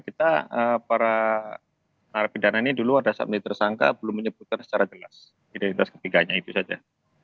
kita para penerbit dana ini dulu ada satu militer sangka belum menyebutkan secara jelas identitas ketiganya itu saja